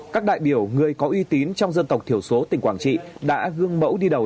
các đại biểu người có uy tín trong dân tộc thiểu số tỉnh quảng trị đã gương mẫu đi đầu